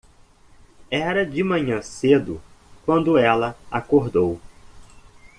Era de manhã cedo quando ela acordou.